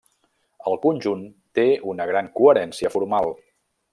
El conjunt té una gran coherència formal.